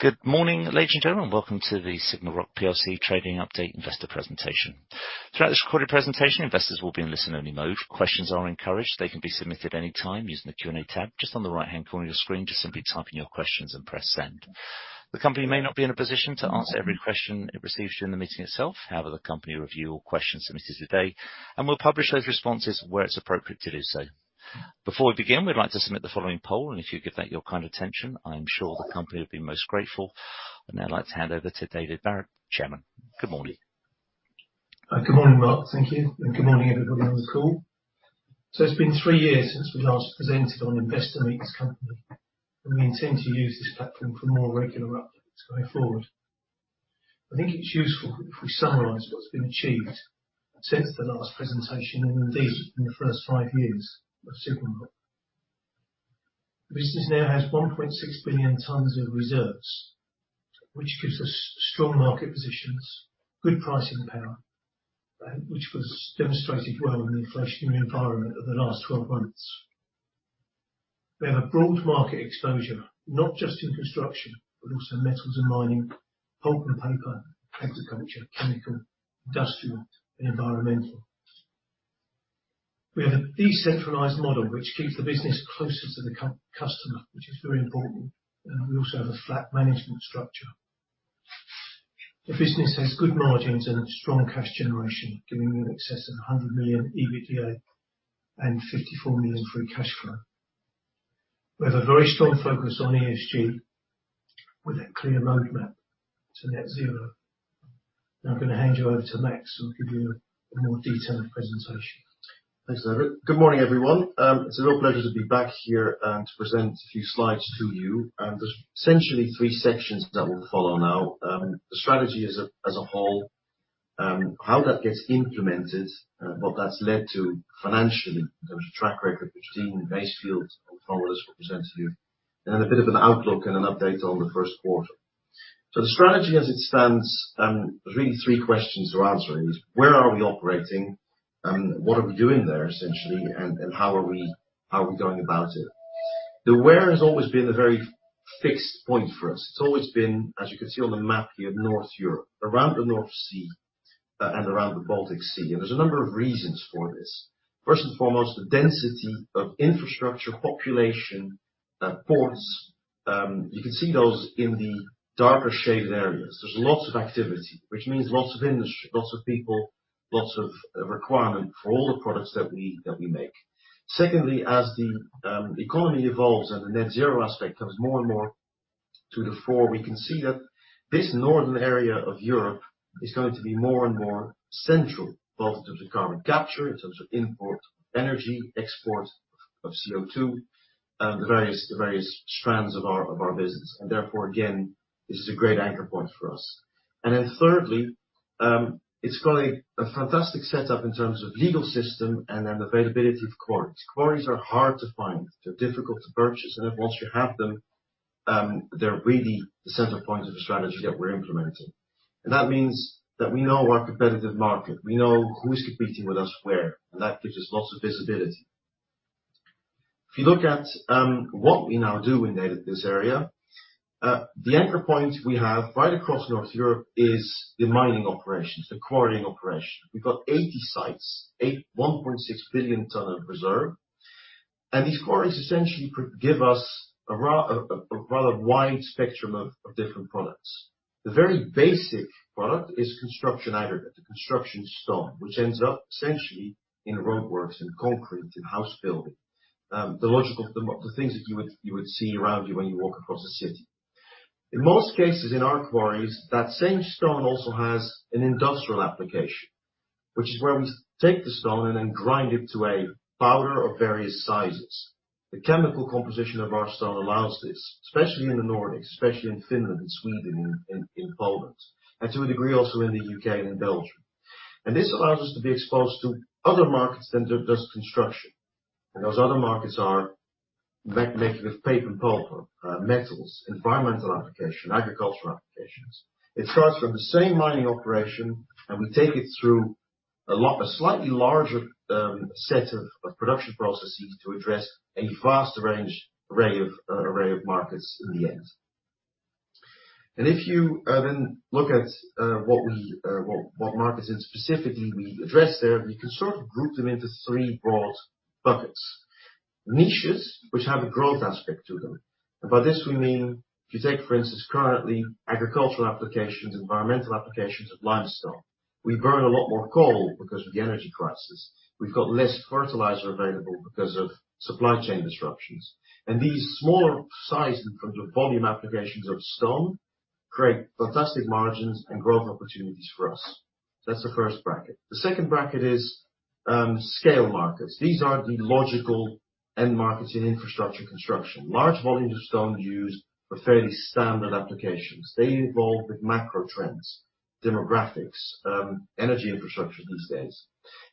Good morning, ladies and gentlemen. Welcome to the SigmaRoc plc trading update investor presentation. Throughout this recorded presentation, investors will be in listen-only mode. Questions are encouraged. They can be submitted any time using the Q&A tab just on the right-hand corner of your screen. Simply type in your questions and press send. The company may not be in a position to answer every question it receives during the meeting itself. The company will review all questions submitted today and will publish those responses where it's appropriate to do so. Before we begin, we'd like to submit the following poll. If you give that your kind attention, I am sure the company will be most grateful. I'd now like to hand over to David Barrett, Chairman. Good morning. Good morning, Mark. Thank you. Good morning, everybody on the call. It's been three years since we last presented on Investor Meet Company, we intend to use this platform for more regular updates going forward. I think it's useful if we summarize what's been achieved since the last presentation, and indeed in the first five years of SigmaRoc. The business now has 1.6 billion tons of reserves, which gives us strong market positions, good pricing power, which was demonstrated well in an inflationary environment of the last 12 months. We have a broad market exposure, not just in construction, but also metals and mining, pulp and paper, agriculture, chemical, industrial, and environmental. We have a decentralized model which keeps the business closer to the customer, which is very important, we also have a flat management structure. The business has good margins and strong cash generation, giving it excess of 100 million EBITDA and 54 million free cash flow. We have a very strong focus on ESG with a clear roadmap to net zero. Now I'm gonna hand you over to Max, who'll give you a more detailed presentation. Thanks, David. Good morning, everyone. It's a real pleasure to be back here, to present a few slides to you. There's essentially three sections that we'll follow now. The strategy as a whole, how that gets implemented, what that's led to financially in terms of track record, which the team in Bassevelde and Thomas will present to you, and then a bit of an outlook and an update on the first quarter. The strategy as it stands, there's really three questions we're answering. Where are we operating? What are we doing there, essentially, and how are we, how are we going about it? The where has always been a very fixed point for us. It's always been, as you can see on the map here, North Europe, around the North Sea, and around the Baltic Sea. There's a number of reasons for this. First and foremost, the density of infrastructure, population, ports. You can see those in the darker shaded areas. There's lots of activity, which means lots of industry, lots of people, lots of requirement for all the products that we make. Secondly, as the economy evolves and the net zero aspect comes more and more to the fore, we can see that this northern area of Europe is going to be more and more central, both in terms of carbon capture, in terms of import of energy, export of CO2, the various strands of our, of our business. Therefore, again, this is a great anchor point for us. Then thirdly, it's got a fantastic set up in terms of legal system and then availability of quarries. Quarries are hard to find. They're difficult to purchase. If once you have them, they're really the center point of the strategy that we're implementing. That means that we know our competitive market. We know who is competing with us where, and that gives us lots of visibility. If you look at what we now do in this area, the anchor point we have right across North Europe is the mining operations, the quarrying operation. We've got 80 sites, 1.6 billion tons of reserve. These quarries essentially could give us a rather wide spectrum of different products. The very basic product is construction aggregate, the construction stone, which ends up essentially in roadworks, in concrete, in house building. The logical, the things that you would see around you when you walk across a city. In most cases, in our quarries, that same stone also has an industrial application, which is where we take the stone and then grind it to a powder of various sizes. The chemical composition of our stone allows this, especially in the Nordics, especially in Finland and Sweden and in Poland, and to a degree also in the U.K. and in Belgium. This allows us to be exposed to other markets than just construction. Those other markets are making of paper and pulp, metals, environmental application, agricultural applications. It starts from the same mining operation, and we take it through a slightly larger set of production processes to address a vast range, array of markets in the end. If you then look at what markets in specifically we address there, we can sort of group them into three broad buckets. Niches, which have a growth aspect to them. By this we mean, if you take, for instance, currently agricultural applications, environmental applications of limestone, we burn a lot more coal because of the energy crisis. We've got less fertilizer available because of supply chain disruptions. These smaller size in terms of volume applications of stone create fantastic margins and growth opportunities for us. That's the first bracket. The second bracket is scale markets. These are the logical end markets in infrastructure construction. Large volumes of stone used for fairly standard applications. They evolve with macro trends, demographics, energy infrastructure these days.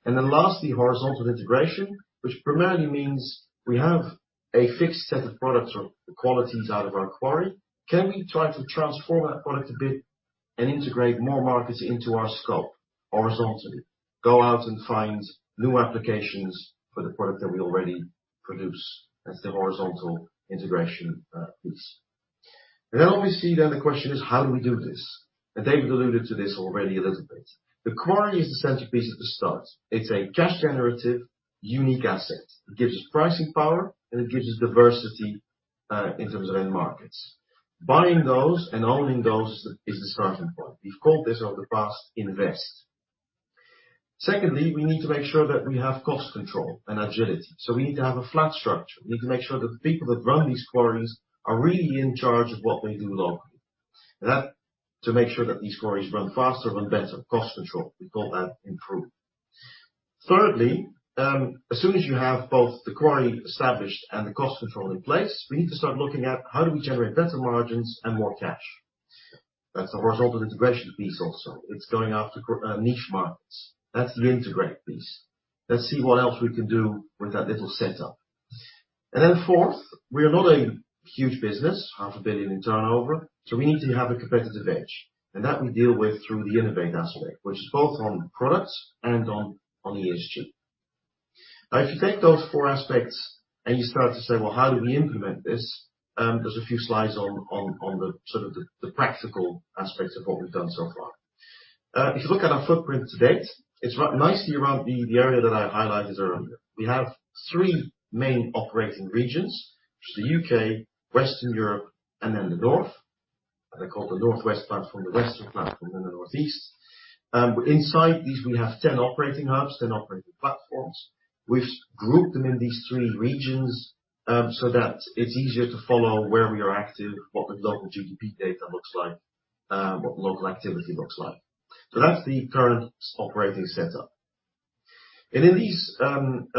Lastly, horizontal integration, which primarily means we have a fixed set of products or qualities out of our quarry. Can we try to transform that product a bit. Integrate more markets into our scope horizontally. Go out and find new applications for the product that we already produce. That's the horizontal integration piece. Obviously, then the question is, how do we do this? David alluded to this already a little bit. The quarry is the centerpiece at the start. It's a cash generative, unique asset. It gives us pricing power, and it gives us diversity in terms of end markets. Buying those and owning those is the starting point. We've called this over the past Invest. Secondly, we need to make sure that we have cost control and agility, so we need to have a flat structure. We need to make sure that the people that run these quarries are really in charge of what they do locally. That to make sure that these quarries run faster and better, cost control. We call that Improve. As soon as you have both the quarry established and the cost control in place, we need to start looking at how do we generate better margins and more cash. That's the horizontal integration piece also. It's going after niche markets. That's the Integrate piece. Let's see what else we can do with that little setup. Fourth, we are not a huge business, half a billion in turnover, so we need to have a competitive edge. That we deal with through the Innovate aspect, which is both on products and on ESG. If you take those four aspects and you start to say, "Well, how do we implement this?" There's a few slides on the sort of the practical aspects of what we've done so far. If you look at our footprint to date, it's right nicely around the area that I highlighted earlier. We have three main operating regions, which is the U.K., Western Europe, and then the North. They're called the Northwest platform, the Western platform, and the Northeast. Inside these, we have 10 operating hubs, 10 operating platforms. We've grouped them in these three regions, so that it's easier to follow where we are active, what the local GDP data looks like, what the local activity looks like. That's the current operating setup. In these 10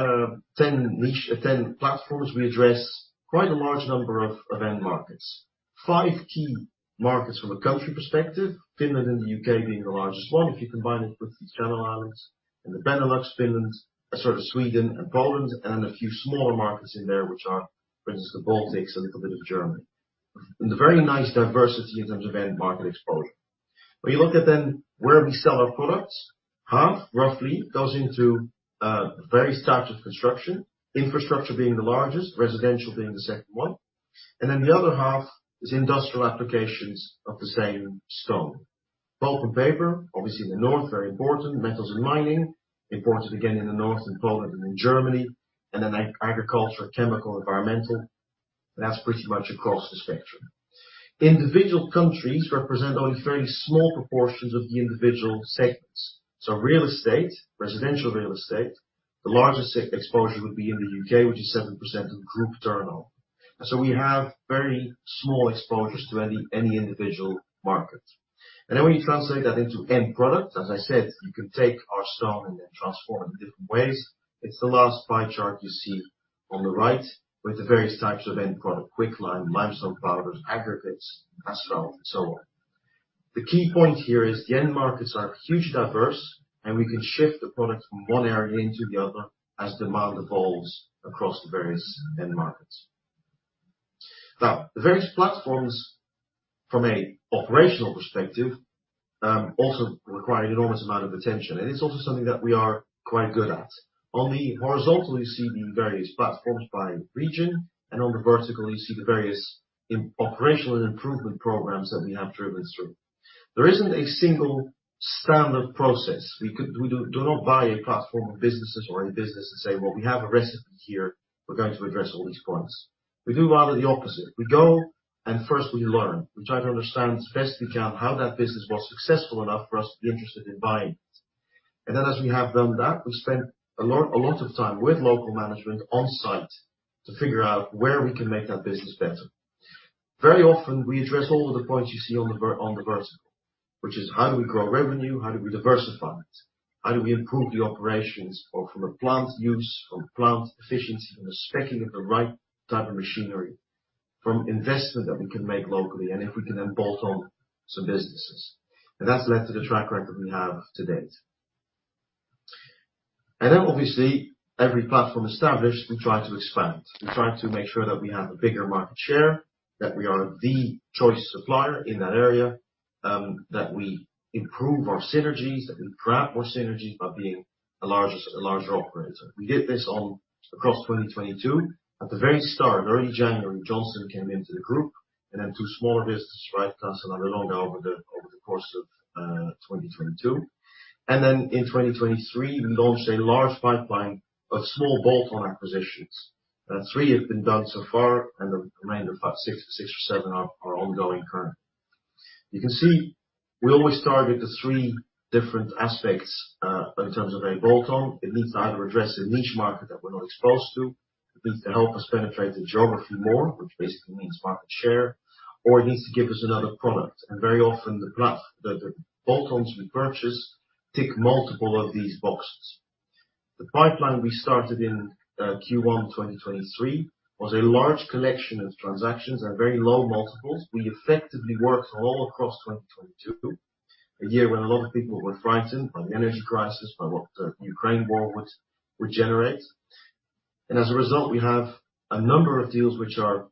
platforms, we address quite a large number of end markets. Five key markets from a country perspective, Finland and the U.K. being the largest one, if you combine it with the Channel Islands and the Benelux, Finland, Sweden and Poland and a few smaller markets in there, which are, for instance, the Baltics, a little bit of Germany. A very nice diversity in terms of end market exposure. When you look at then where we sell our products, half roughly goes into various types of construction, infrastructure being the largest, residential being the second one. The other half is industrial applications of the same stone. Pulp and paper, obviously in the North, very important. Metals and mining, important again in the North and Poland and in Germany. Agriculture, chemical, environmental. That's pretty much across the spectrum. Individual countries represent only very small proportions of the individual segments. Real estate, residential real estate, the largest e-exposure would be in the U.K., which is 7% of group turnover. We have very small exposures to any individual market. When you translate that into end product, as I said, you can take our stone and then transform it in different ways. It's the last pie chart you see on the right with the various types of end product: quicklime, limestone powders, aggregates, asphalt and so on. The key point here is the end markets are hugely diverse, and we can shift the products from one area into the other as demand evolves across the various end markets. The various platforms from a operational perspective also require an enormous amount of attention, and it's also something that we are quite good at. On the horizontal, you see the various platforms by region, and on the vertical, you see the various operational and improvement programs that we have driven through. There isn't a single standard process. We do not buy a platform of businesses or any business and say, "Well, we have a recipe here. We're going to address all these points." We do rather the opposite. We go and first we learn. We try to understand as best as we can how that business was successful enough for us to be interested in buying it. As we have done that, we spend a lot of time with local management on site to figure out where we can make that business better. Very often, we address all of the points you see on the vertical, which is how do we grow revenue? How do we diversify it? How do we improve the operations or from a plant use, from plant efficiency, from the spacing of the right type of machinery, from investment that we can make locally, and if we can then bolt on some businesses. That's led to the track record we have to date. Then obviously, every platform established, we try to expand. We try to make sure that we have a bigger market share, that we are the choice supplier in that area, that we improve our synergies, that we grab more synergies by being a larger operator. We did this on across 2022. At the very start, early January, Johnston Quarry Group came into the group and then two smaller businesses, right, Cassel and Argétrans over the course of 2022. In 2023, we launched a large pipeline of small bolt-on acquisitions. Three have been done so far, and the remainder five, six or seven are ongoing currently. You can see we always target the three different aspects in terms of a bolt-on. It needs to either address a niche market that we're not exposed to, it needs to help us penetrate the geography more, which basically means market share, or it needs to give us another product. Very often the bolt-ons we purchase tick multiple of these boxes. The pipeline we started in Q1 2023 was a large collection of transactions at very low multiples. We effectively worked all across 2022, a year when a lot of people were frightened by the energy crisis, by what the Ukraine war would generate. As a result, we have a number of deals which are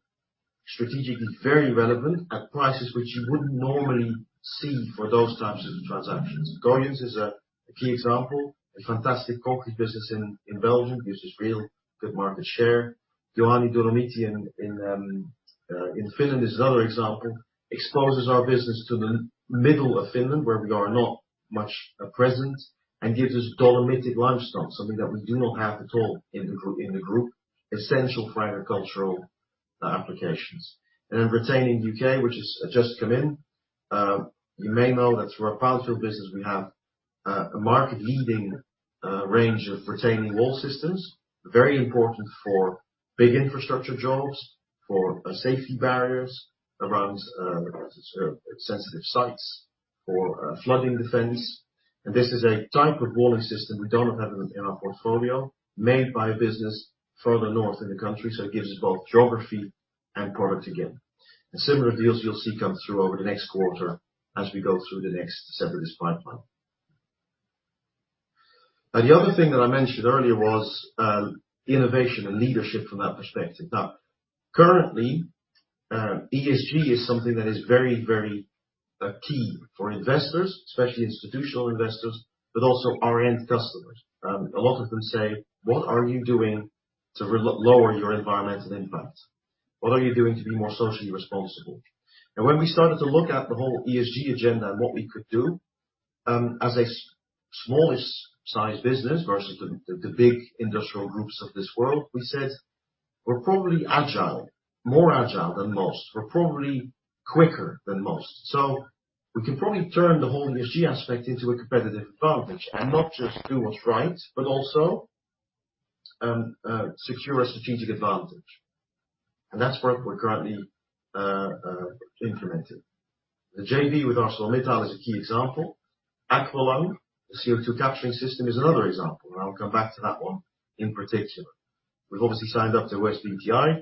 strategically very relevant at prices which you wouldn't normally see for those types of transactions. Goijens is a key example, a fantastic concrete business in Belgium, gives us real good market share. Juuan Dolomiitti in Finland is another example, exposes our business to the middle of Finland where we are not much present and gives us dolomitic limestone, something that we do not have at all in the group. Essential for agricultural applications. Retaining U.K., which has just come in. You may know that through our Palo Alto business, we have a market-leading range of retaining wall systems. Very important for big infrastructure jobs, for safety barriers around sensitive sites for flooding defense. This is a type of walling system we don't have in our portfolio, made by a business further north in the country, so it gives us both geography and product again. Similar deals you'll see come through over the next quarter as we go through the next separate this pipeline. The other thing that I mentioned earlier was innovation and leadership from that perspective. Currently, ESG is something that is very, very key for investors, especially institutional investors, but also our end customers. A lot of them say, "What are you doing to lower your environmental impact? What are you doing to be more socially responsible?" When we started to look at the whole ESG agenda and what we could do, as a smallest size business versus the, the big industrial groups of this world, we said, "We're probably agile, more agile than most. We're probably quicker than most. We can probably turn the whole ESG aspect into a competitive advantage and not just do what's right, but also, secure a strategic advantage." That's what we're currently, implementing. The JV with ArcelorMittal is a key example. Aqualung, the CO2 capturing system, is another example, and I'll come back to that one in particular. We've obviously signed up to SBTi,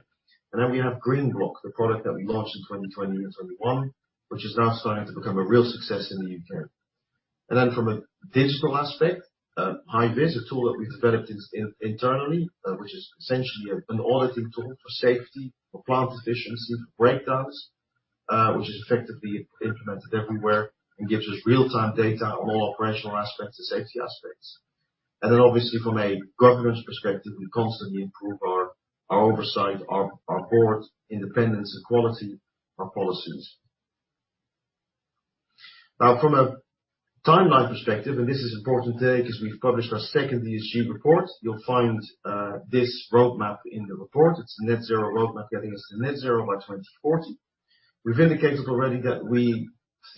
and then we have Greenbloc, the product that we launched in 2020 and 2021, which is now starting to become a real success in the U.K. From a digital aspect, Hyvis, a tool that we developed internally, which is essentially an auditing tool for safety, for plant efficiency, for breakdowns, which is effectively implemented everywhere and gives us real-time data on all operational aspects and safety aspects. Obviously from a governance perspective, we constantly improve our oversight, our board independence and quality, our policies. From a timeline perspective, this is important today because we've published our second ESG report. You'll find this roadmap in the report. It's a net zero roadmap, getting us to net zero by 2040. We've indicated already that we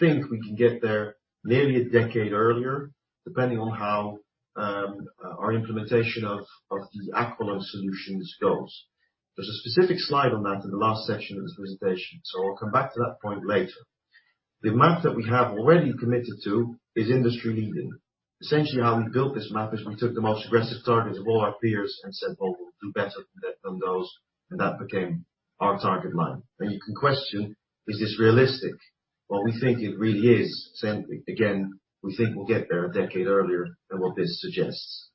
think we can get there nearly a decade earlier, depending on how our implementation of these Aqualung solutions goes. There's a specific slide on that in the last section of this presentation. I'll come back to that point later. The amount that we have already committed to is industry-leading. Essentially, how we built this map is we took the most aggressive targets of all our peers and said, "Well, we'll do better than that, than those," and that became our target line. Now you can question, is this realistic? Well, we think it really is. Again, we think we'll get there a decade earlier than what this suggests.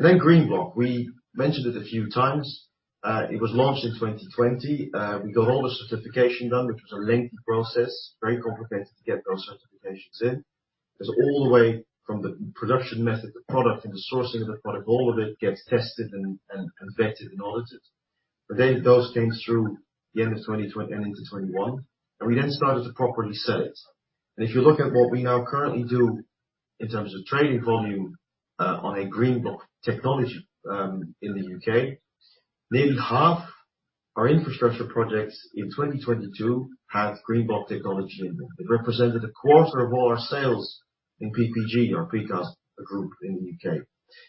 Greenbloc. We mentioned it a few times. It was launched in 2020. We got all the certification done, which was a lengthy process, very complicated to get those certifications in. 'Cause all the way from the production method, the product and the sourcing of the product, all of it gets tested and vetted and audited. Those came through the end of 2022 and into 2021, and we then started to properly sell it. If you look at what we now currently do in terms of trading volume on a Greenbloc technology in the U.K., nearly half our infrastructure projects in 2022 had Greenbloc technology in them. It represented a quarter of all our sales in PPG, our precast group in the U.K.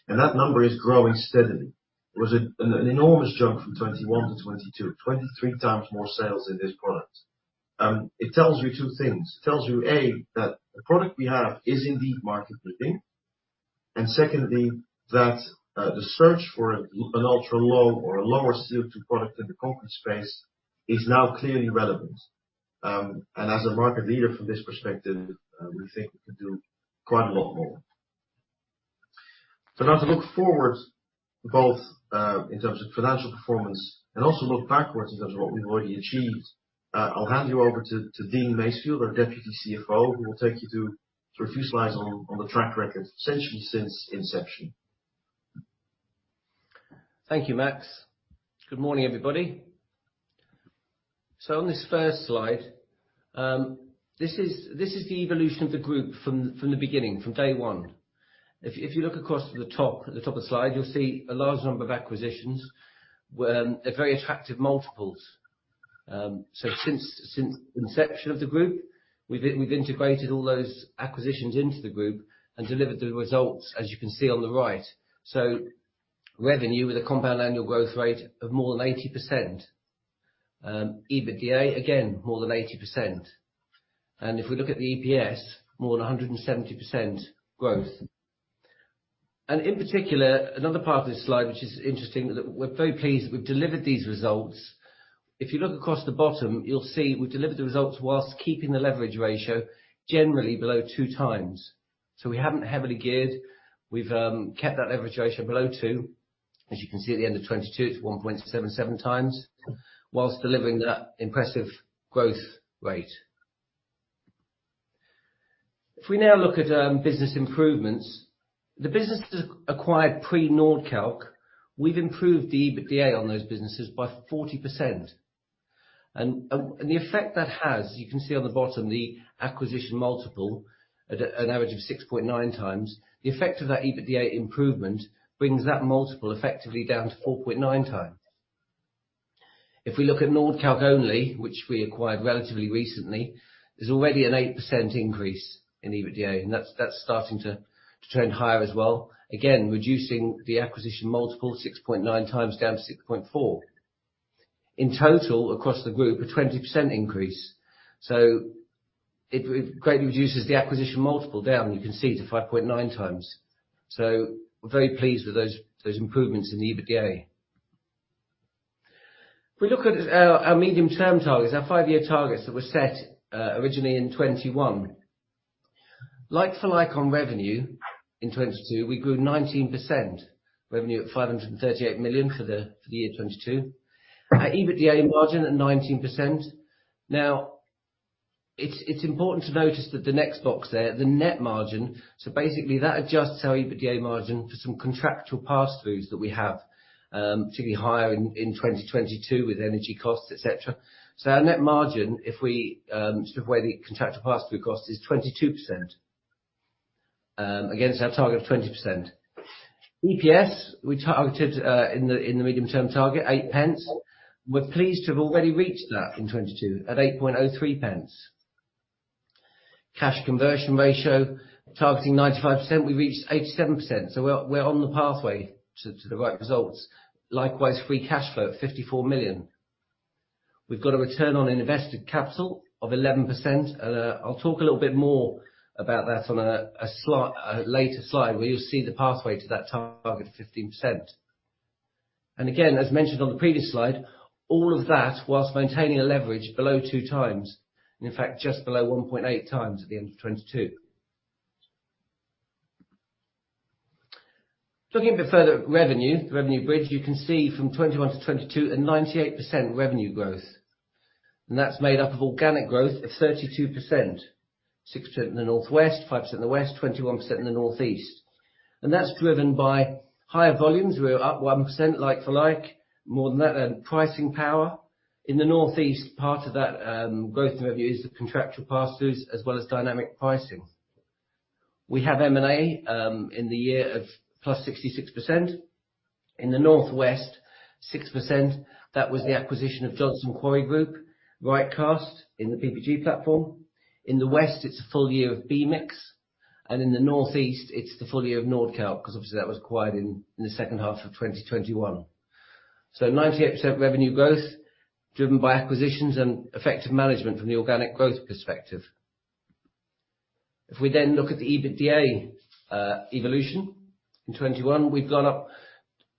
That number is growing steadily. It was an enormous jump from 2021 to 2022, 23x more sales in this product. It tells you two things. It tells you, A, that the product we have is indeed market-leading. Secondly, that the search for an ultra-low or a lower CO2 product in the concrete space is now clearly relevant. As a market leader from this perspective, we think we can do quite a lot more. Now to look forward both in terms of financial performance and also look backwards in terms of what we've already achieved, I'll hand you over to Dean Masefield, our Deputy CFO, who will take you through a few slides on the track record, essentially since inception. Thank you, Max. Good morning, everybody. On this first slide, this is the evolution of the group from the beginning, from day one. If you look across at the top of the slide, you'll see a large number of acquisitions at very attractive multiples. Since inception of the group, we've integrated all those acquisitions into the group and delivered the results as you can see on the right. Revenue with a compound annual growth rate of more than 80%. EBITDA, again, more than 80%. If we look at the EPS, more than 170% growth. In particular, another part of this slide which is interesting that we're very pleased that we've delivered these results. If you look across the bottom, you'll see we've delivered the results whilst keeping the leverage ratio generally below 2x. We haven't heavily geared. We've kept that leverage ratio below two, as you can see at the end of 2022, it's 1.77 x, whilst delivering that impressive growth rate. If we now look at business improvements, the businesses acquired pre Nordkalk, we've improved the EBITDA on those businesses by 40%. The effect that has, you can see on the bottom, the acquisition multiple at an average of 6.9x. The effect of that EBITDA improvement brings that multiple effectively down to 4.9x. We look at Nordkalk only, which we acquired relatively recently, there's already an 8% increase in EBITDA, and that's starting to trend higher as well. Reducing the acquisition multiple 6.9x down to 6.4x. In total across the group, a 20% increase. It greatly reduces the acquisition multiple down, you can see to 5.9x. We're very pleased with those improvements in the EBITDA. We look at our medium term targets, our five-year targets that were set originally in 2021. Like for like on revenue in 2022, we grew 19% revenue at 538 million for the year 2022. Our EBITDA margin at 19%. It's important to notice that the next box there, the net margin, basically that adjusts our EBITDA margin for some contractual pass-throughs that we have, particularly higher in 2022 with energy costs, et cetera. Our net margin, if we sort of weigh the contractual pass-through cost is 22% against our target of 20%. EPS, we targeted in the medium term target 0.08. We're pleased to have already reached that in 2022 at 0.0803. Cash conversion ratio targeting 95%, we reached 87%, so we're on the pathway to the right results. Likewise, free cash flow of 54 million. We've got a return on invested capital of 11%. I'll talk a little bit more about that on a later slide, where you'll see the pathway to that target of 15%. Again, as mentioned on the previous slide, all of that whilst maintaining a leverage below 2x, and in fact just below 1.8x at the end of 2022. Looking a bit further at revenue, the revenue bridge you can see from 2021 to 2022, a 98% revenue growth. That's made up of organic growth of 32%, 6% in the Northwest, 5% in the West, 21% in the Northeast. That's driven by higher volumes. We were up 1% like to like. More than that, pricing power. In the Northeast, part of that growth revenue is the contractual pass-throughs as well as dynamic pricing. We have M&A in the year of +66%. In the Northwest, 6%. That was the acquisition of Johnston Quarry Group, RightCast in the PPG platform. In the West, it's a full year of B-Mix. In the Northeast, it's the full year of Nordkalk, 'cause obviously, that was acquired in the second half of 2021. 98% revenue growth driven by acquisitions and effective management from the organic growth perspective. We then look at the EBITDA evolution. In 21, we've gone up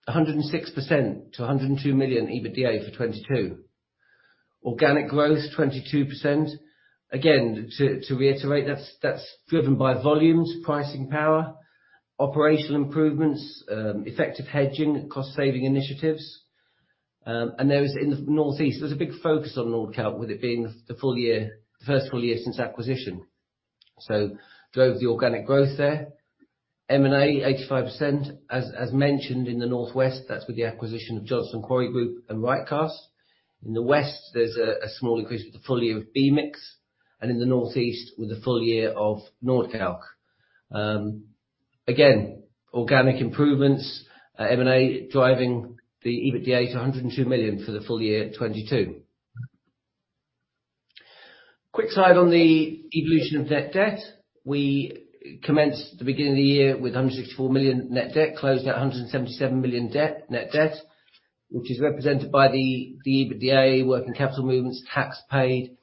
106% to 102 million EBITDA for 22. Organic growth, 22%. Again, to reiterate, that's driven by volumes, pricing power, operational improvements, effective hedging, cost saving initiatives, and those in the Northeast. There was a big focus on Nordkalk with it being the full year, the first full year since acquisition. M&A, 85%. As mentioned in the Northwest, that's with the acquisition of Johnston Quarry Group and RightCast. In the West, there's a small increase with the full year of B-Mix. In the Northeast, with the full year of Nordkalk. Again, organic improvements, M&A driving the EBITDA to 102 million for the full year 2022. Quick slide on the evolution of net debt. We commenced the beginning of the year with 164 million net debt, closed at 177 million net debt, which is represented by the EBITDA working capital movements, tax paid.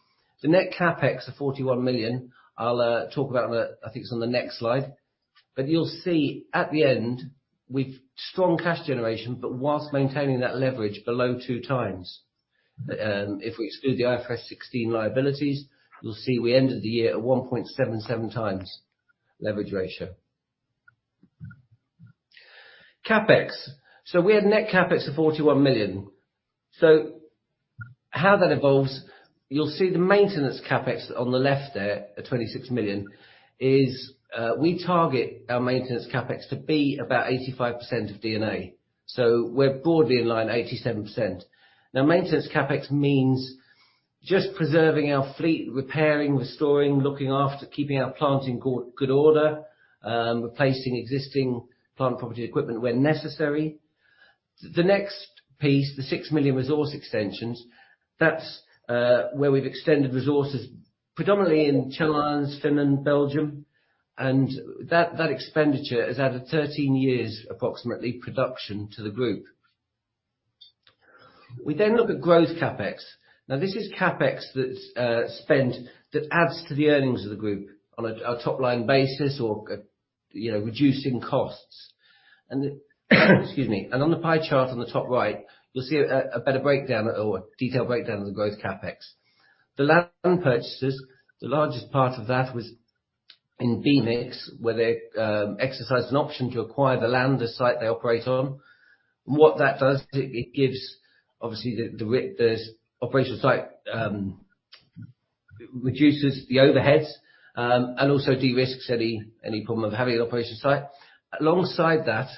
The net CapEx of 41 million. I'll talk about on the... I think it's on the next slide. You'll see at the end, with strong cash generation, while maintaining that leverage below 2x. If we exclude the IFRS 16 liabilities, you'll see we ended the year at 1.77x leverage ratio. CapEx. We had net CapEx of 41 million. How that evolves, you'll see the maintenance CapEx on the left there at 26 million is, we target our maintenance CapEx to be about 85% of D&A. We're broadly in line 87%. Now, maintenance CapEx means just preserving our fleet, repairing, restoring, looking after keeping our plant in good order, replacing existing plant property equipment where necessary. The next piece, the 6 million resource extensions, that's where we've extended resources, predominantly in Netherlands, Finland, Belgium, and that expenditure has added 13 years, approximately production to the group. We then look at growth CapEx. Now, this is CapEx that's spent that adds to the earnings of the group on a top line basis or You know, reducing costs. Excuse me, and on the pie chart on the top right, you'll see a better breakdown or a detailed breakdown of the growth CapEx. The land purchases, the largest part of that was in B-Mix, where they exercised an option to acquire the land, the site they operate on. What that does, it gives obviously the this operation site, reduces the overheads, and also de-risks any problem of having an operation site. Alongside that,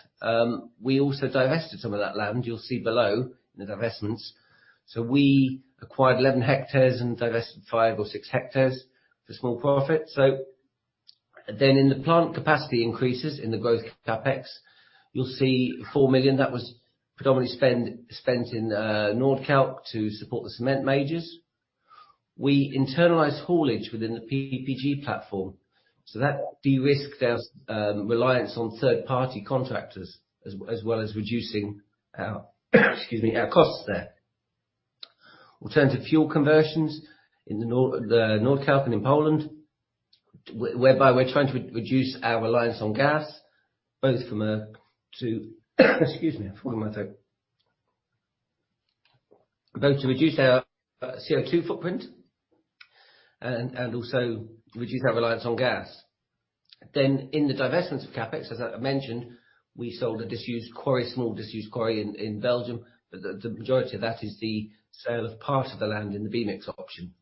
we also divested some of that land, you'll see below in the divestments. We acquired 11 hectares and divested five or six hectares for small profit. In the plant capacity increases in the growth CapEx, you'll see 4 million that was predominantly spent in Nordkalk to support the cement majors. We internalized haulage within the PPG platform, so that de-risked our reliance on third party contractors as well as reducing our costs there. Alternative fuel conversions in Nordkalk and in Poland, whereby we're trying to reduce our reliance on gas, both to reduce our CO2 footprint and also reduce our reliance on gas. In the divestment of CapEx, as I mentioned, we sold a disused quarry, small disused quarry in Belgium, the majority of that is the sale of part of the land in the B-Mix option.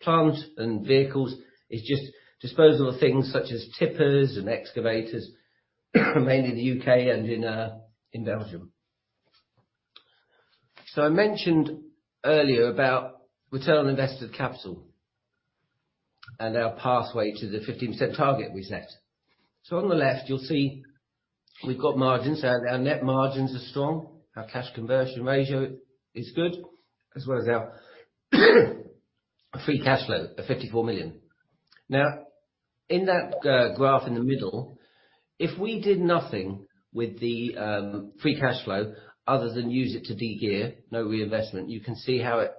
Plant and vehicles is just disposal of things such as tippers and excavators, mainly in the U.K. and in Belgium. I mentioned earlier about return on invested capital and our pathway to the 15 cent target we set. On the left you'll see we've got margins. Our net margins are strong. Our cash conversion ratio is good, as well as our free cash flow of 54 million. Now, in that graph in the middle, if we did nothing with the free cash flow other than use it to de-gear, no reinvestment, you can see how it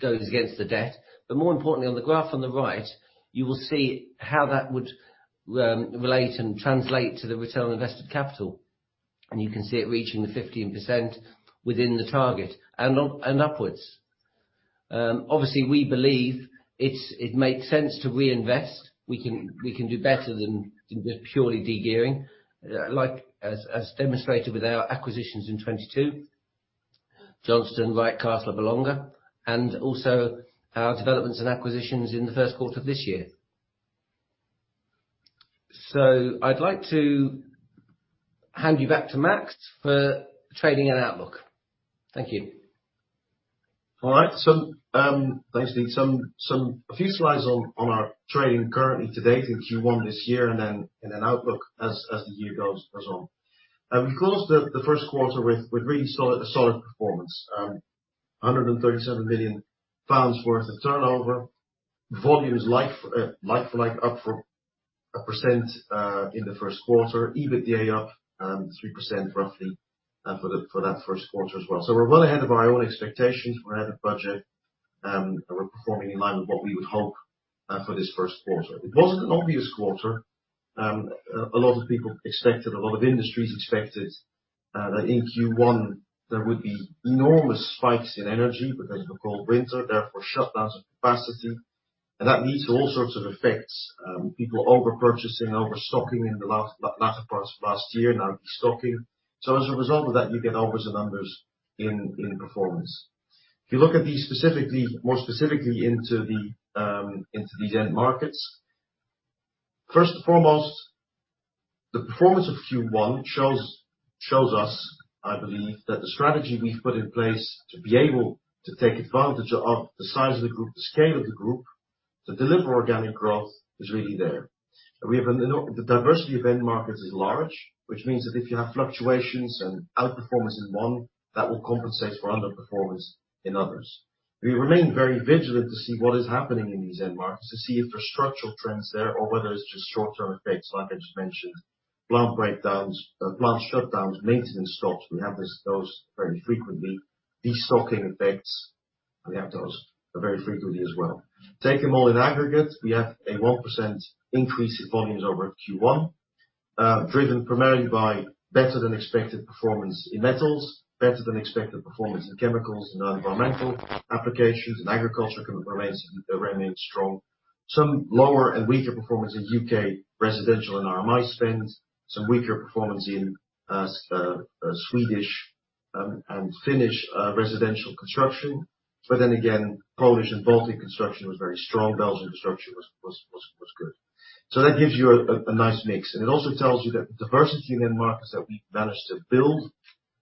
goes against the debt. More importantly, on the graph on the right, you will see how that would relate and translate to the return on invested capital. You can see it reaching the 15% within the target and on, and upwards. Obviously we believe it makes sense to reinvest. We can do better than just purely de-gearing, like as demonstrated with our acquisitions in 2022, Johnston, RightCast, La Bolonga, and also our developments and acquisitions in the first quarter of this year. I'd like to hand you back to Max for trading and outlook. Thank you. All right. Thanks, Dean. A few slides on our trading currently to date in Q1 this year, then outlook as the year goes on. We closed the first quarter with a solid performance. 137 million pounds worth of turnover. Volumes like up 4% in the first quarter. EBITDA up 3% roughly for that first quarter as well. We're well ahead of our own expectations. We're ahead of budget, and we're performing in line with what we would hope for this first quarter. It wasn't an obvious quarter. A lot of people expected, a lot of industries expected that in Q1 there would be enormous spikes in energy because of a cold winter, therefore shutdowns of capacity. That leads to all sorts of effects. People over-purchasing, over-stocking in the last part of last year, now de-stocking. As a result of that, you get upwards of numbers in performance. If you look at these specifically, more specifically into the into these end markets, first and foremost, the performance of Q1 shows us, I believe, that the strategy we've put in place to be able to take advantage of the size of the group, the scale of the group, to deliver organic growth is really there. The diversity of end markets is large, which means that if you have fluctuations and outperformance in one, that will compensate for underperformance in others. We remain very vigilant to see what is happening in these end markets, to see if there's structural trends there or whether it's just short-term effects like I just mentioned, plant breakdowns, plant shutdowns, maintenance stops. We have those very frequently. De-stocking effects, we have those very frequently as well. Take them all in aggregate, we have a 1% increase in volumes over Q1, driven primarily by better than expected performance in metals, better than expected performance in chemicals and other environmental applications, and agriculture remains strong. Some lower and weaker performance in U.K. residential and RMI spend. Some weaker performance in Swedish and Finnish residential construction. Polish and Baltic construction was very strong. Belgian construction was good. That gives you a nice mix. It also tells you that the diversity in the markets that we managed to build,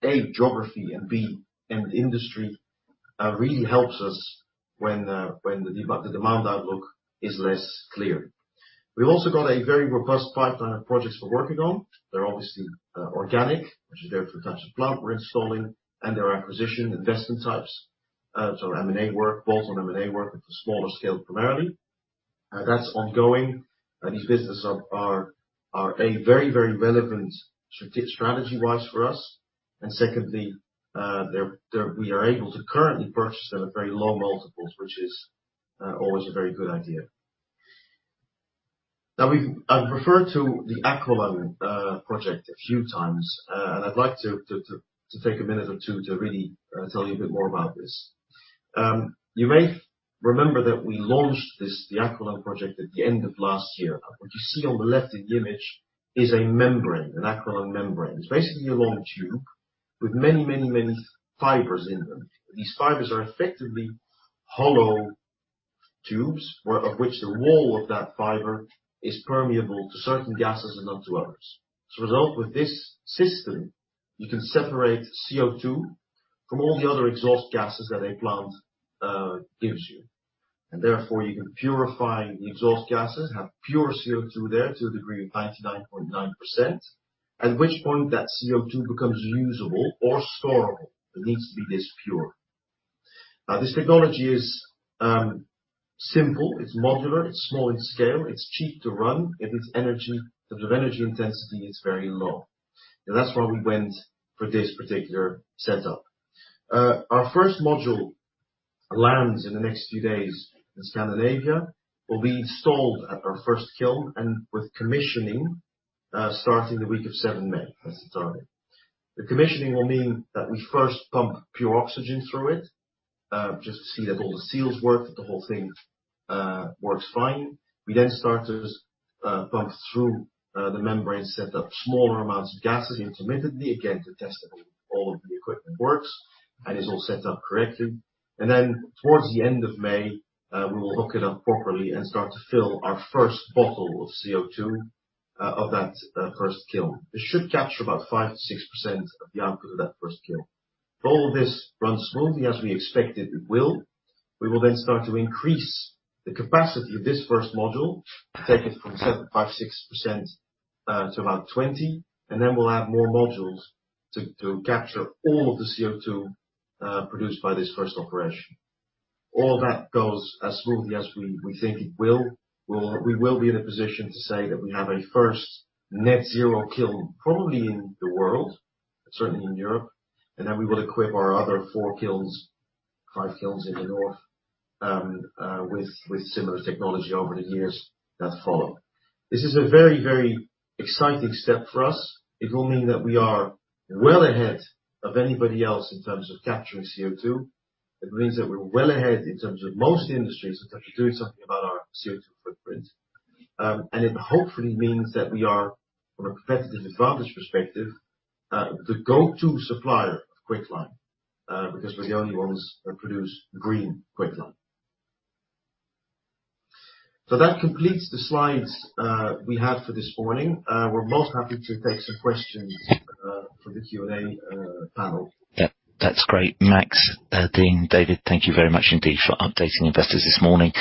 A, geography, and B, end industry, really helps us when the demand outlook is less clear. We've also got a very robust pipeline of projects we're working on. They're obviously organic, which is going through types of plant we're installing, and there are acquisition investment types. M&A work, both on M&A work and for smaller scale primarily. That's ongoing. These business are a very, very relevant strategy-wise for us. Secondly, we are able to currently purchase them at very low multiples, which is always a very good idea. I've referred to the Aqualung project a few times. I'd like to take a minute or two to really tell you a bit more about this. You may remember that we launched this, the Aqualung project, at the end of last year. What you see on the left of the image is a membrane, an Aqualung membrane. It's basically a long tube with many fibers in them. These fibers are effectively hollow tubes, where, of which the wall of that fiber is permeable to certain gases and not to others. As a result, with this system, you can separate CO2 from all the other exhaust gases that a plant gives you. Therefore, you can purify the exhaust gases, have pure CO2 there to a degree of 99.9%, at which point that CO2 becomes usable or storable. It needs to be this pure. This technology is simple. It's modular, it's small in scale, it's cheap to run, and its energy, the energy intensity is very low. That's why we went for this particular setup. Our first module lands in the next few days in Scandinavia, will be installed at our first kiln and with commissioning starting the week of 7th May. That's the target. The commissioning will mean that we first pump pure oxygen through it, just to see that all the seals work, that the whole thing works fine. We then start to pump through the membrane, set up smaller amounts of gases intermittently, again, to test that all of the equipment works and is all set up correctly. Towards the end of May, we will hook it up properly and start to fill our first bottle of CO2 of that first kiln. It should capture about 5%-6% of the output of that first kiln. If all of this runs smoothly as we expect it will, we will then start to increase the capacity of this first module, take it from 7, 5, 6%, to about 20, and then we'll add more modules to capture all of the CO2 produced by this first operation. All that goes as smoothly as we think it will. We will be in a position to say that we have a first net zero kiln, probably in the world, certainly in Europe, and then we will equip our other 4 kilns, 5 kilns in the North, with similar technology over the years that follow. This is a very exciting step for us. It will mean that we are well ahead of anybody else in terms of capturing CO2. It means that we're well ahead in terms of most industries, in terms of doing something about our CO2 footprint. It hopefully means that we are, from a competitive advantage perspective, the go-to supplier of quicklime, because we're the only ones that produce green quicklime. That completes the slides we have for this morning. We're most happy to take some questions from the Q&A panel. Yeah, that's great. Max, Dean, David, thank you very much indeed for updating investors this morning.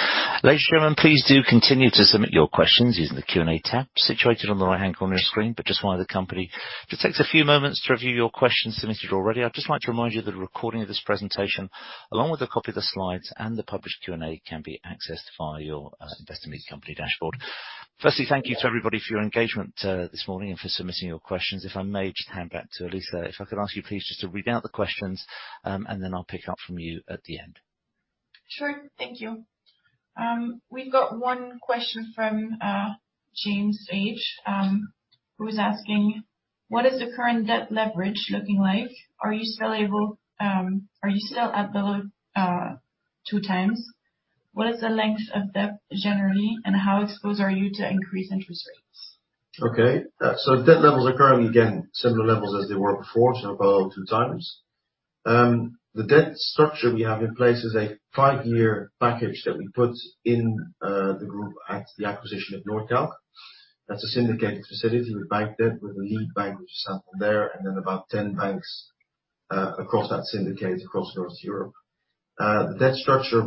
Ladies and gentlemen, please do continue to submit your questions using the Q&A tab situated on the right-hand corner of your screen. Just while the company takes a few moments to review your questions submitted already, I'd just like to remind you that a recording of this presentation, along with a copy of the slides and the published Q&A, can be accessed via your Investor Meet Company dashboard. Firstly, thank you to everybody for your engagement this morning and for submitting your questions. If I may just hand back to Elisa. If I could ask you please just to read out the questions, I'll pick up from you at the end. Sure. Thank you. We've got one question from James H. who is asking: What is the current debt leverage looking like? Are you still at below 2x? What is the length of debt generally, and how exposed are you to increased interest rates? Debt levels are currently, again, similar levels as they were before, about 2x. The debt structure we have in place is a five-year package that we put in the group at the acquisition of Nordkalk. That's a syndicated facility with bank debt, with a lead bank, which is Sabadell there, and then about 10 banks across that syndicate across North Europe. The debt structure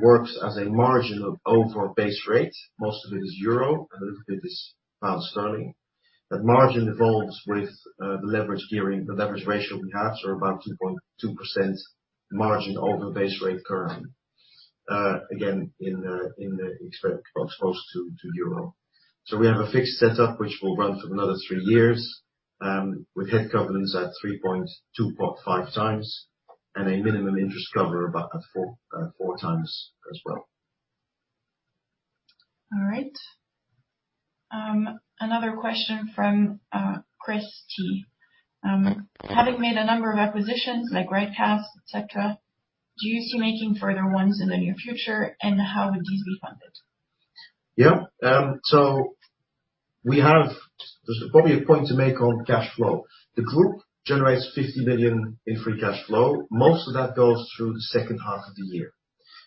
works as a margin over our base rate. Most of it is euro, a little bit is pound sterling. That margin evolves with the leverage gearing, the leverage ratio we have, about 2.2% margin over the base rate currently. Again, in the exposed to euro. We have a fixed setup, which will run for another three years, with head covenants at three. 2.5x and a minimum interest cover about at 4x as well. All right. Another question from Chris T., having made a number of acquisitions like RightCast, et cetera, do you see making further ones in the near future, and how would these be funded? There's probably a point to make on cash flow. The group generates 50 million in free cash flow. Most of that goes through the second half of the year.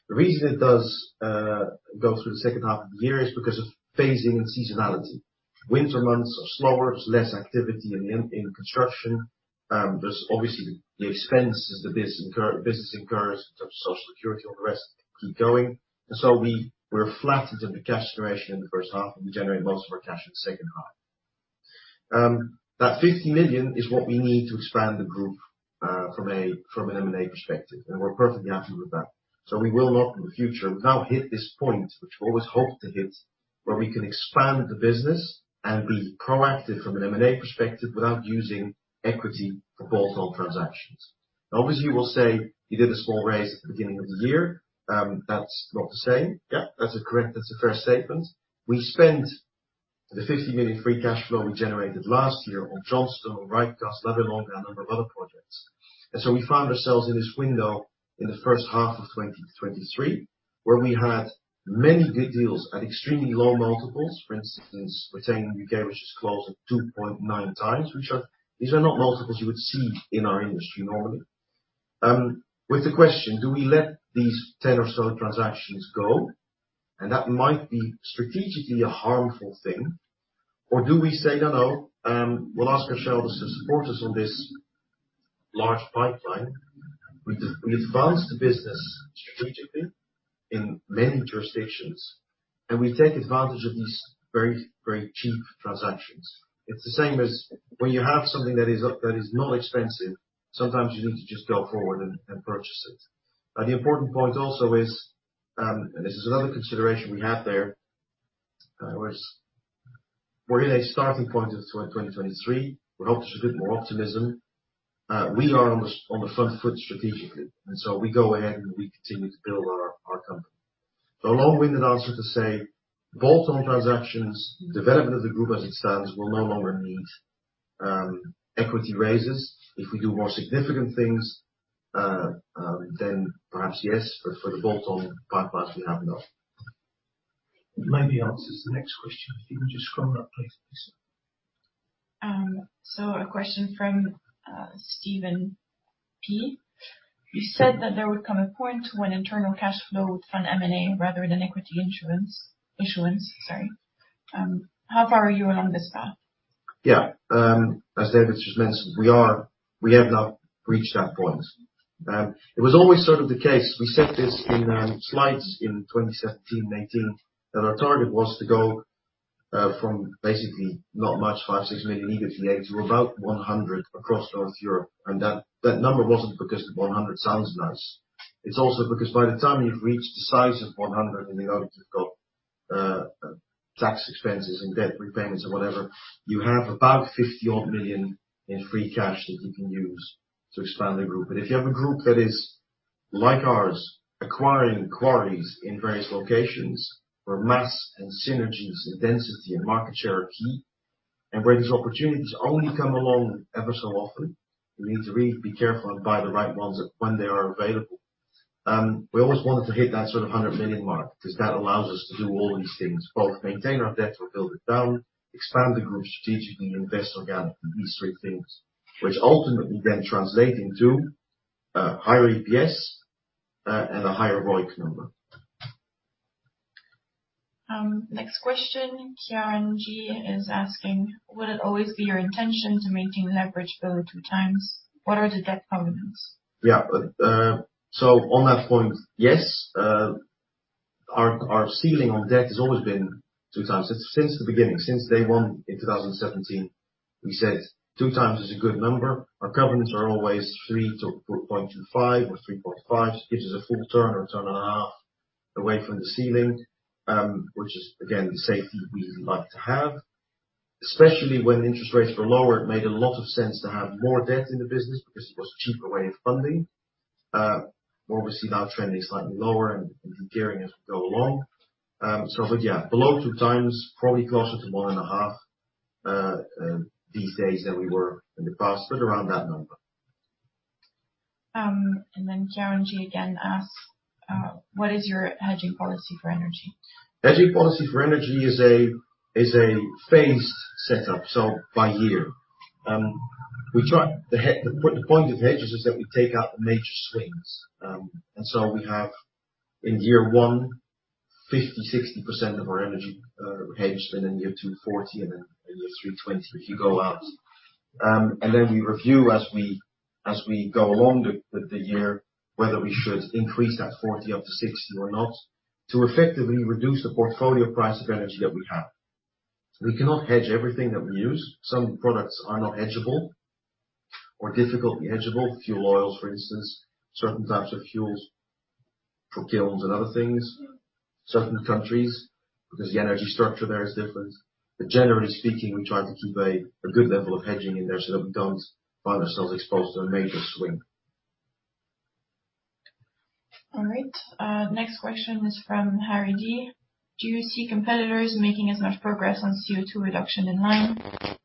The reason it does go through the second half of the year is because of phasing and seasonality. Winter months are slower. There's less activity in construction. There's obviously the expenses the business incurs in terms of social security, all the rest keep going. We're flat in terms of cash generation in the first half, and we generate most of our cash in the second half. That 50 million is what we need to expand the group from an M&A perspective, and we're perfectly happy with that. We will look in the future. We've now hit this point, which we always hoped to hit, where we can expand the business and be proactive from an M&A perspective without using equity for bolt-on transactions. Obviously, you will say you did a small raise at the beginning of the year. That's not the same. Yeah, that's a fair statement. We spent the 50 million free cash flow we generated last year on Johnston, on RightCast, La Boverie, and a number of other projects. We found ourselves in this window in the first half of 2023, where we had many big deals at extremely low multiples. For instance, Retaining U.K., which is close to 2.9x, these are not multiples you would see in our industry normally. With the question, do we let these 10 or so transactions go? That might be strategically a harmful thing. Do we say, "No, no, we'll ask our shareholders to support us on this large pipeline." We advance the business strategically in many jurisdictions, and we take advantage of these very, very cheap transactions. It's the same as when you have something that is not expensive, sometimes you need to just go forward and purchase it. The important point also is, and this is another consideration we have there, was we're in a starting point of 2023. We hope there's a bit more optimism. We are on the front foot strategically, we go ahead, and we continue to build our company. A long-winded answer to say bolt-on transactions, development of the group as it stands will no longer need equity raises. If we do more significant things, then perhaps yes. For the bolt-on pipeline, we have enough. It maybe answers the next question. If you would just scroll up please, Lisa. A question from, Stephen P. Sure. You said that there would come a point when internal cash flow would fund M&A rather than equity insurance. Issuance, sorry. How far are you along this path? Yeah. As David just mentioned, we have now reached that point. It was always sort of the case. We said this in slides in 2017, 2018, that our target was to go from basically not much, 5 million-6 million EBITDA, to about 100 million across North Europe. That number wasn't because 100 million sounds nice. It's also because by the time you've reached the size of 100 million and you obviously have got tax expenses and debt repayments or whatever, you have about 50 odd million in free cash that you can use to expand the group. If you have a group that is like ours, acquiring quarries in various locations where mass and synergies and density and market share are key, and where these opportunities only come along every so often, you need to really be careful and buy the right ones when they are available. We always wanted to hit that sort of 100 million mark because that allows us to do all these things, both maintain our debt or build it down, expand the group strategically and invest organically. These three things, which ultimately then translate into higher EPS and a higher ROIC number. Next question. Kiara Ng is asking, "Will it always be your intention to maintain leverage below 2x? What are the debt covenants? On that point, yes, our ceiling on debt has always been 2x. It's since the beginning, since day one in 2017, we said 2x is a good number. Our covenants are always 3-4.25 or 3.5, gives us a full turn or a turn and a half away from the ceiling, which is again, the safety we like to have. Especially when interest rates were lower, it made a lot of sense to have more debt in the business because it was a cheaper way of funding. More we see now trending slightly lower and gearing as we go along. Yeah, below 2x, probably closer to 1.5 these days than we were in the past, but around that number. Chiara Kielty again asks, "What is your hedging policy for energy? Hedging policy for energy is a phased setup, by year. The point of hedges is that we take out the major swings. We have in year one, 50%-60% of our energy hedged. In year two, 40%. In year three, 20%, if you go out. We review as we go along the year, whether we should increase that 40% up to 60% or not, to effectively reduce the portfolio price of energy that we have. We cannot hedge everything that we use. Some products are not hedgeable or difficultly hedgeable. Fuel oils, for instance, certain types of fuels for kilns and other things. Certain countries, because the energy structure there is different. Generally speaking, we try to keep a good level of hedging in there so that we don't find ourselves exposed to a major swing. All right. Next question is from Harry D. "Do you see competitors making as much progress on CO2 reduction in line?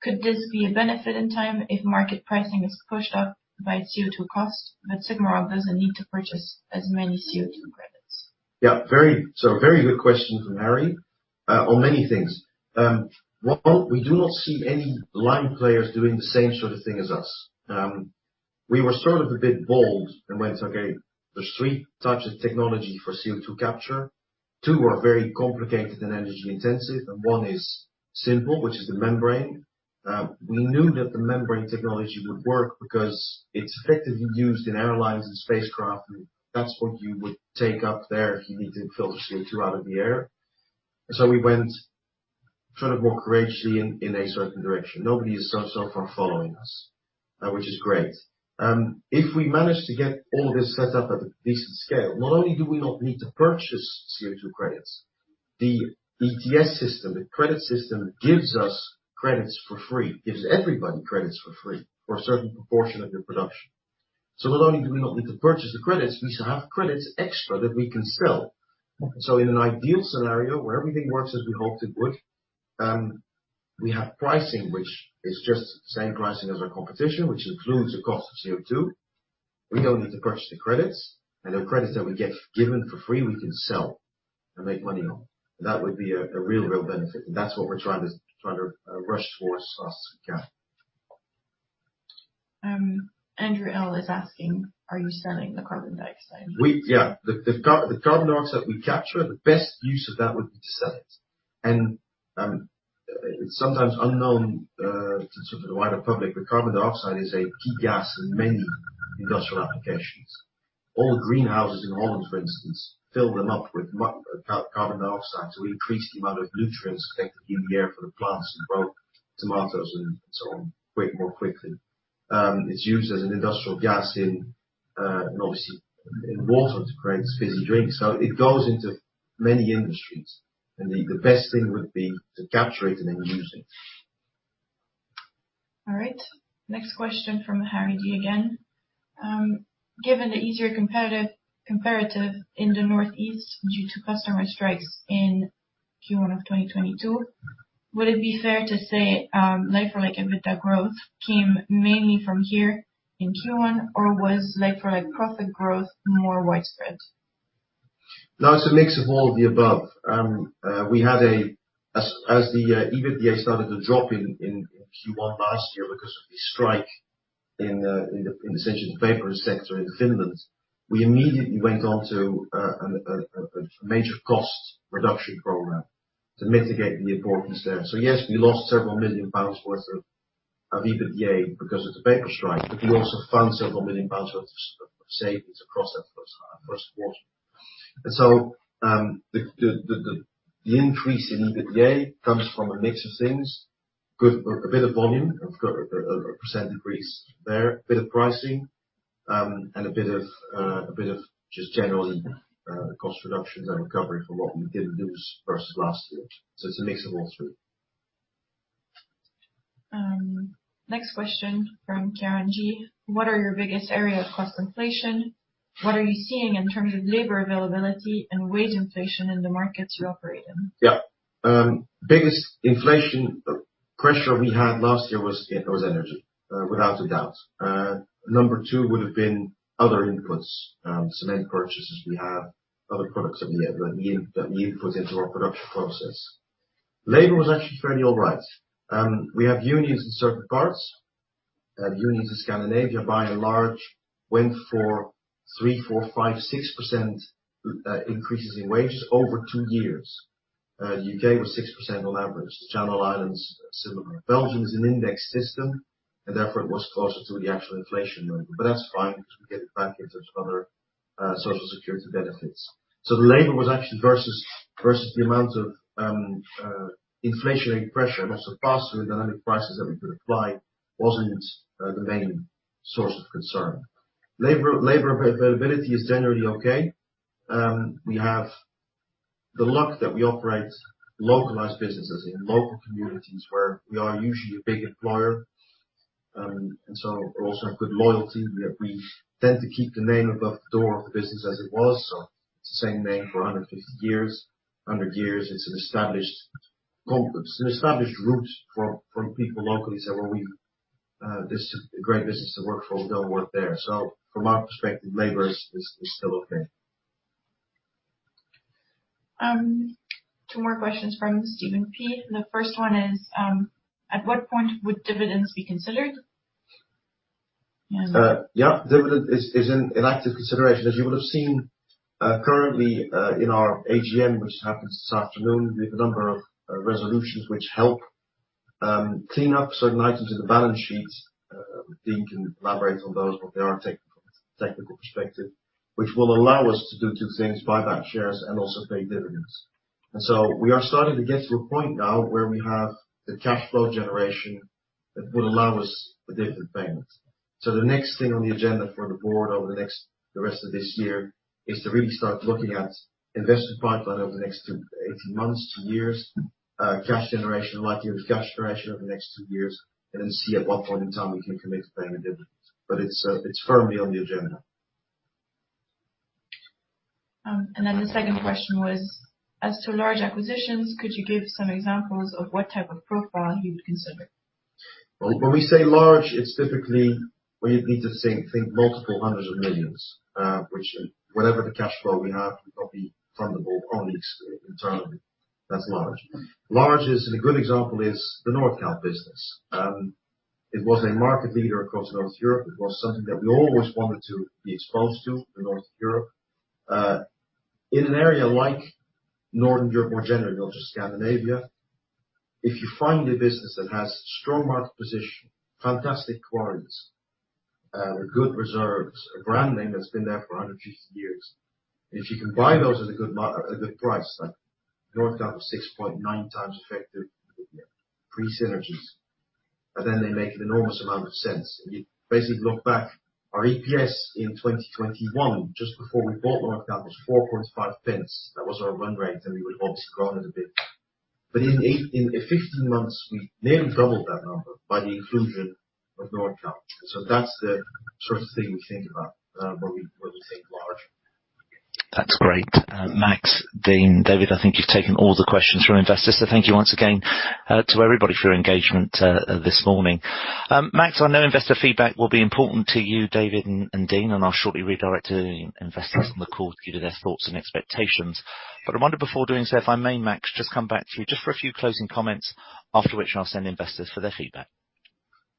Could this be a benefit in time if market pricing is pushed up by CO2 costs, but SigmaRoc doesn't need to purchase as many CO2 credits? Yeah, very. A very good question from Harry on many things. One, we do not see any line players doing the same sort of thing as us. We were sort of a bit bold and went, "Okay, there's three types of technology for CO2 capture. Two are very complicated and energy intensive, and one is simple, which is the membrane." We knew that the membrane technology would work because it's effectively used in airlines and spacecraft, and that's what you would take up there if you need to filter CO2 out of the air. Try to walk courageously in a certain direction. Nobody has stopped us from following us, which is great. If we manage to get all this set up at a decent scale, not only do we not need to purchase CO2 credits, the ETS system, the credit system, gives us credits for free, gives everybody credits for free for a certain proportion of your production. Not only do we not need to purchase the credits, we should have credits extra that we can sell. In an ideal scenario, where everything works as we hoped it would, we have pricing which is just same pricing as our competition, which includes the cost of CO2. We don't need to purchase the credits, and the credits that we get given for free we can sell and make money on. That would be a real benefit, and that's what we're trying to rush towards as fast as we can. Ainsley L. is asking, are you selling the carbon dioxide? Yeah. The carbon dioxide we capture, the best use of that would be to sell it. It's sometimes unknown to sort of the wider public, but carbon dioxide is a key gas in many industrial applications. All greenhouses in Holland, for instance, fill them up with carbon dioxide to increase the amount of nutrients effectively in the air for the plants to grow tomatoes and so on quick, more quickly. It's used as an industrial gas in and obviously in water to create fizzy drinks. It goes into many industries. The best thing would be to capture it and then use it. All right. Next question from Harry D. again. Given the easier comparative in the Northeast due to customer strikes in Q1 of 2022, would it be fair to say, like-for-like EBITDA growth came mainly from here in Q1, or was like-for-like profit growth more widespread? No, it's a mix of all of the above. As the EBITDA started to drop in Q1 last year because of the strike in the essential paper sector in Finland, we immediately went on to a major cost reduction program to mitigate the importance there. Yes, we lost several million GBP worth of EBITDA because of the paper strike, but we also found several million GBP worth of savings across that first quarter. The increase in EBITDA comes from a mix of things. A bit of volume. We've got a % increase there. A bit of pricing, and a bit of, a bit of just generally, cost reductions and recovery from what we did lose versus last year. It's a mix of all three. Next question from Karen G. What are your biggest area of cost inflation? What are you seeing in terms of labor availability and wage inflation in the markets you operate in? Biggest inflation pressure we had last year was energy, without a doubt. Number two would have been other inputs. Cement purchases we have, other products that we have that we input into our production process. Labor was actually fairly all right. We have unions in certain parts. Unions in Scandinavia, by and large, went for 3%, 4%, 5%, 6% increases in wages over two years. U.K. was 6% on average. The Channel Islands, similar. Belgium is an index system. It was closer to the actual inflation rate. That's fine, because we get it back into other social security benefits. The labor was actually versus the amount of inflationary pressure, and also faster than any prices that we could apply, wasn't the main source of concern. Labor, labor availability is generally okay. We have the luck that we operate localized businesses in local communities where we are usually a big employer. We also have good loyalty. We tend to keep the name above the door of the business as it was. It's the same name for 150 years, 100 years. It's an established conference, an established route for people locally to say, "This is a great business to work for. We wanna work there." From our perspective, labor is still okay. Two more questions from Stephen P. The first one is, at what point would dividends be considered? Yeah. Dividend is an active consideration. As you will have seen, currently, in our AGM, which happens this afternoon, we have a number of resolutions which help clean up certain items in the balance sheet. Dean can elaborate on those, but they are technical perspective, which will allow us to do two things: buy back shares and also pay dividends. We are starting to get to a point now where we have the cash flow generation that would allow us the dividend payment. The next thing on the agenda for the board over the next, the rest of this year is to really start looking at investment pipeline over the next 18 months to years, cash generation, likelihood of cash generation over the next two years, and then see at what point in time we can commit to paying a dividend. It's firmly on the agenda. The second question was, as to large acquisitions, could you give some examples of what type of profile you would consider? Well, when we say large, it's typically where you'd need to think multiple hundreds of millions, which, whatever the cash flow we have, it'll be fundable only internally. That's large. Large is. A good example is the Nordkalk business. It was a market leader across North Europe. It was something that we always wanted to be exposed to in North Europe. In an area like Northern Europe, more generally, not just Scandinavia, if you find a business that has strong market position, fantastic quarries. Good reserves, a brand name that's been there for 150 years. If you can buy those as a good price, like Nordkalk was 6.9x effective pre-synergies, they make an enormous amount of sense. You basically look back, our EPS in 2021, just before we bought Nordkalk, was 0.045. That was our run rate, and we would obviously grow it a bit. In 15 months, we nearly doubled that number by the inclusion of Nordkalk. That's the sort of thing we think about where we think large. That's great. Max, Dean, David, I think you've taken all the questions from investors, so thank you once again, this morning. Max, I know investor feedback will be important to you, David, and Dean, and I'll shortly redirect to investors on the call to give you their thoughts and expectations. I wonder, before doing so, if I may, Max, just come back to you for a few closing comments, after which I'll send investors for their feedback.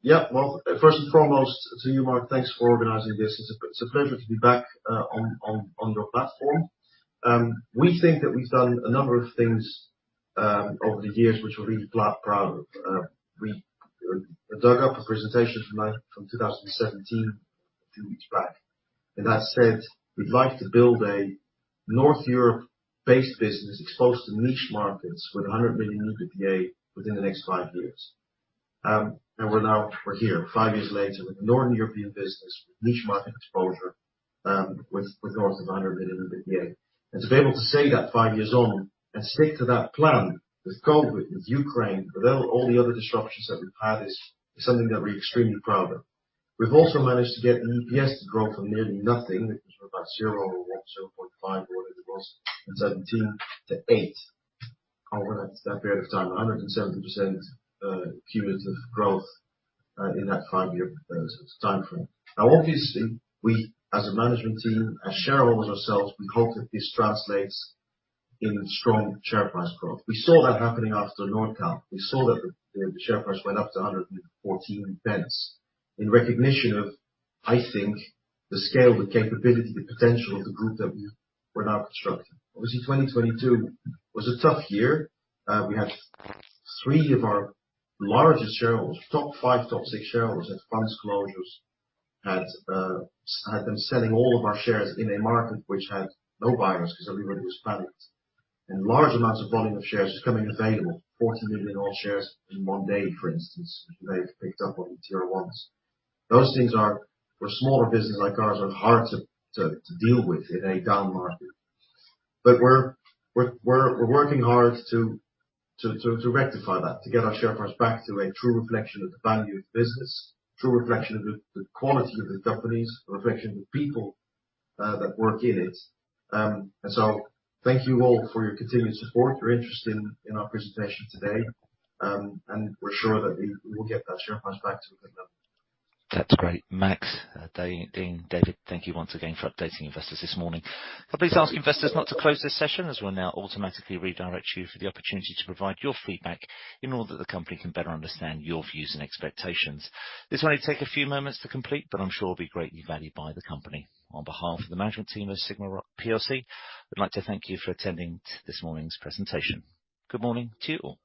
Yeah. Well, first and foremost, to you, Mark, thanks for organizing this. It's a pleasure to be back on your platform. We think that we've done a number of things over the years which we're really proud of. We dug up a presentation from 2017 a few weeks back, and that said, "We'd like to build a North Europe-based business exposed to niche markets with 100 million EBITDA within the next five years." We're now here five years later with a Northern European business with niche market exposure, with north of 100 million in EBITDA. To be able to say that five years on and stick to that plan with COVID, with Ukraine, with all the other disruptions that we've had is something that we're extremely proud of. We've also managed to get the EPS to grow from nearly nothing. It was about zero or one, 0.5 or whatever it was in 2017 to eight over that period of time. 170% cumulative growth in that five-year timeframe. Obviously, we, as a management team, as shareholders ourselves, we hope that this translates in strong share price growth. We saw that happening after Nordkalk. We saw that the share price went up to 1.14 in recognition of, I think, the scale, the capability, the potential of the group that we're now constructing. Obviously, 2022 was a tough year. We had three of our largest shareholders, top five, top six shareholders, at finance closures, had them selling all of our shares in a market which had no buyers because everybody was panicked. Large amounts of volume of shares becoming available. 40 million odd shares in one day, for instance, which they picked up on tier ones. Those things are, for a smaller business like ours, are hard to deal with in a down market. We're working hard to rectify that, to get our share price back to a true reflection of the value of the business, true reflection of the quality of the companies, reflection of the people that work in it. Thank you all for your continued support, your interest in our presentation today. We're sure that we will get that share price back to where we think that it belongs. That's great. Max, Dean, David, thank you once again for updating investors this morning. I'll please ask investors not to close this session as we'll now automatically redirect you for the opportunity to provide your feedback in order that the company can better understand your views and expectations. This will only take a few moments to complete, but I'm sure will be greatly valued by the company. On behalf of the management team at SigmaRoc plc, we'd like to thank you for attending this morning's presentation. Good morning to you all.